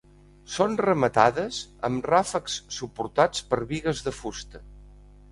Són rematades amb ràfecs suportats per bigues de fusta.